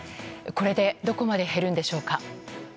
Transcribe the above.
これでどこまで減るんでしょうか。